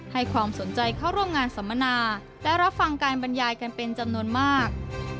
ให้ความสนใจเข้าร่วมงานสัมมนาและรับฟังการบรรยายกันเป็นจำนวนมาก